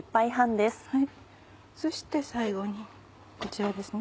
そして最後にこちらです。